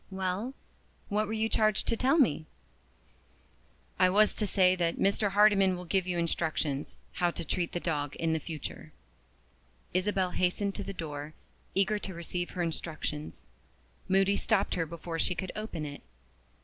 "Well, what were you charged to tell me?" "I was to say that Mr. Hardyman will give you instructions how to treat the dog for the future." Isabel hastened to the door, eager to receive her instructions. Moody stopped her before she could open it.